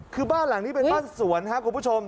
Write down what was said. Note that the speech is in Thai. คือบ้านหลังนี้เป็นบ้านสวนครับคุณผู้ชม